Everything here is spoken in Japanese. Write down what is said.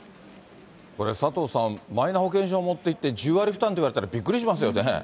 これ佐藤さん、マイナ保険証を持っていって、１０割負担って言われたら、びっくりしますよね。